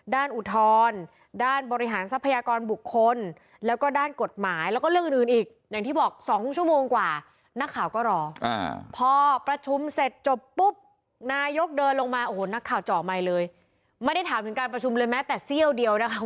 ด้านอุทธรณ์ด้านบริหารทรัพยากรบุคคลแล้วก็ด้านกฎหมายแล้วก็เรื่องอื่นอื่นอีก